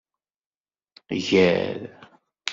Gar.